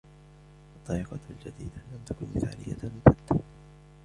الطريقة الجديدة لم تكن مثاليةً البتة.